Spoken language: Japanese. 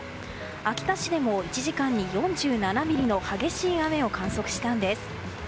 秋田市でも１時間に４７ミリの激しい雨を観測したんです。